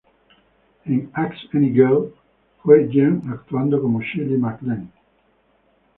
En "Ask Any Girl" fue Jeannie, actuando con Shirley MacLaine.